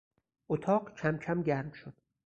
اتاق کمکم گرم شد.